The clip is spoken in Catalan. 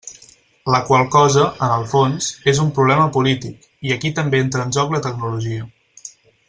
La qual cosa, en el fons, és un problema polític, i aquí també entra en joc la tecnologia.